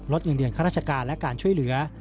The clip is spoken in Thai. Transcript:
เงินเดือนข้าราชการและการช่วยเหลือ